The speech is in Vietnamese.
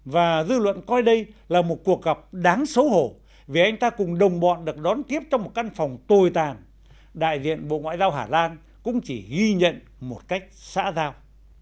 và dư luận coi đây là một cuộc gặp đáng xấu hổ vì anh ta cùng đồng bọn được đón tiếp trong một căn phòng tồi tàn đại diện bộ ngoại giao hà lan cũng chỉ ghi nhận một cách xã giao